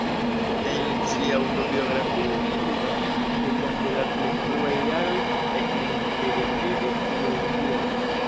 En sia aŭtobiografio skribas, ke jam de la plej fruaj jaroj ekinteresiĝis pri religio.